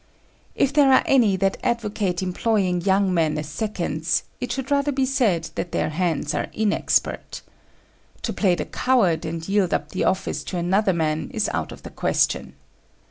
If there are any that advocate employing young men as seconds, it should rather be said that their hands are inexpert. To play the coward and yield up the office to another man is out of the question.